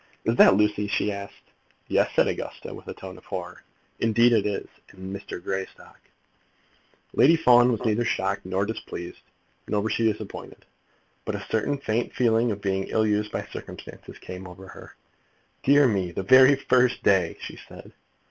"Is that Lucy?" she asked. "Yes," said Augusta, with a tone of horror. "Indeed it is, and Mr. Greystock." Lady Fawn was neither shocked nor displeased; nor was she disappointed; but a certain faint feeling of being ill used by circumstances came over her. "Dear me; the very first day!" she said.